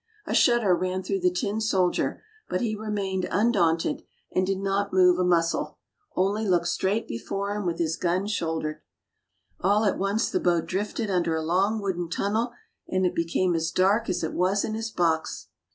A shudder ran through the tin soldier, but he remained undaunted, and did not move a muscle, only looked straight before him with his gun shouldered. All at once the boat drifted under a long wooden tunnel, and it became as dark as it was in his box.